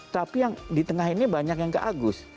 tapi yang di tengah ini banyak yang ke agus